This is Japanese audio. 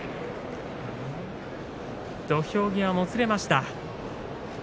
土俵際、もつれました。